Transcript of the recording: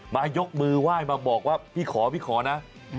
ยกมือไหว้มาบอกว่าพี่ขอพี่ขอนะ